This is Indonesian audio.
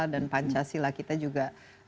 dan pancasila kita juga